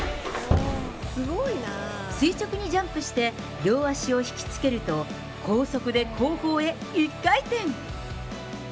垂直にジャンプして、両足を引きつけると、高速で後方へ１回転。